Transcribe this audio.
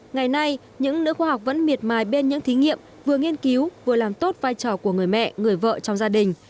ngày nay những nữ khoa học vẫn miệt mài bên những thí nghiệm vừa nghiên cứu vừa làm tốt vai trò của người mẹ người vợ trong gia đình